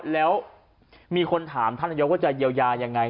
แล้วมีคนถามท่านนายกว่าจะเยียวยายังไง